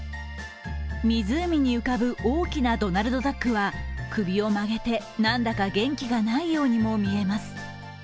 湖に浮かぶ大きなドナルドダックは首を曲げてなんだか元気がないようにも見えます。